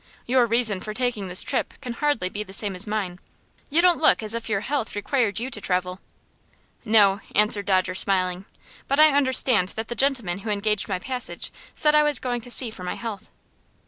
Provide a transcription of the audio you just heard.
Your reason for taking this trip can hardly be the same as mine. You don't look as if your health required you to travel." "No," answered Dodger, smiling; "but I understand that the gentleman who engaged my passage said I was going to sea for my health."